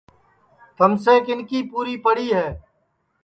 تھمیسے کِن کی پُوری ہے